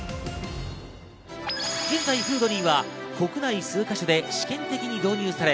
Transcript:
現在、Ｆｏｏｄｌｙは国内数か所で試験的に導入され、